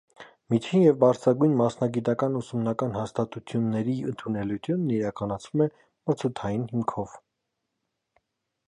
Միջին և բարձրագույն մասնագիտական ուսումնական հաստատությունների ընդունելությունն իրականացվում է մրցութային հիմունքով։